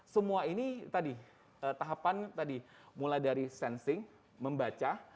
semua ini tadi tahapan tadi mulai dari sensing membaca